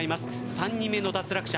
３人目の脱落者。